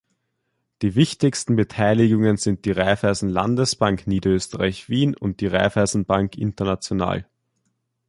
Die wichtigsten Beteiligungen sind die Raiffeisenlandesbank Niederösterreich-Wien und die Raiffeisen Bank International.